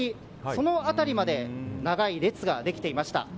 その辺りまで長い列ができていました。